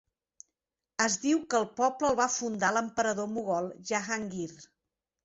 Es diu que el poble el va fundar l'emperador mogol Jahangir.